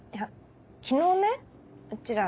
昨日ねうちら